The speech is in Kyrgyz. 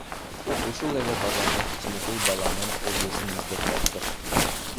Ушул эле базарда кичинекей баланын эжесин издеп таптык.